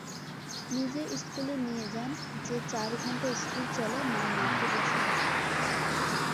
নিজে স্কুলে নিয়ে যান, যে-চারঘণ্টা স্কুল চলে মা মাঠে বসে থাকেন।